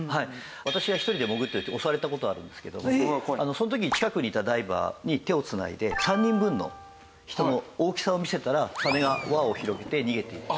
私は１人で潜ってる時襲われた事があるんですけどその時近くにいたダイバーに手を繋いで３人分の人の大きさを見せたらサメが輪を広げて逃げていった。